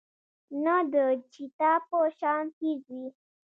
نۀ د چيتا پۀ شان تېز وي